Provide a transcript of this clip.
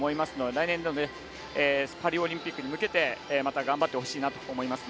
来年のパリオリンピックに向けてまた頑張ってほしいなと思います。